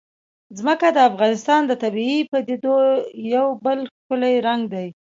ځمکه د افغانستان د طبیعي پدیدو یو بل ښکلی رنګ دی.